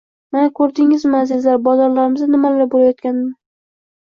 –Mana ko‘rdingizmi, azizlar, bozorlarimizda nimalar bo‘layotganini!